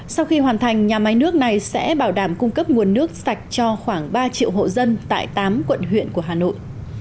sau khi hoàn thành nhà máy nước này sẽ bảo đảm cung cấp nguồn nước sạch cho khoảng ba triệu hộ dân tại tám quận huyện của hà nội